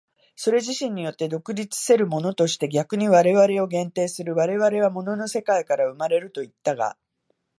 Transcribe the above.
それ自身によって独立せるものとして逆に我々を限定する、我々は物の世界から生まれるといったが、